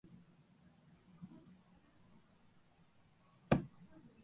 விழாவினை முன்னின்று நடத்தப் பூசனைக்குரிய அலைத் தலைமைக்கு யார் தகுதி பெறுகின்றனர் என்ற வினா எழுப்பப்பட்டது.